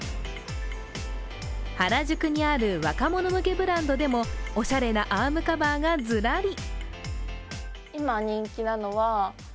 原宿にある若者向けブランドでもおしゃれなアームカバーがずらり。